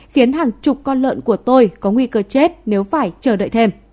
khiến hàng chục con lợn của tôi có nguy cơ chết nếu phải chờ đợi thêm